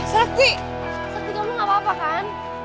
sakti kamu gak apa apa kan